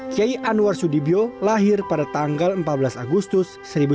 kiai anwar sudibyo lahir pada tanggal empat belas agustus seribu sembilan ratus empat puluh